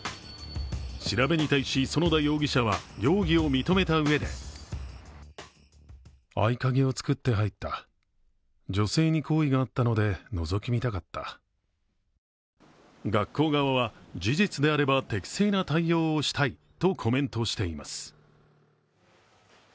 調べに対し園田容疑者は容疑を認めたうえで学校側は、事実であれば適正な対応をしたいとコメントしています。